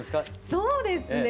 そうですね。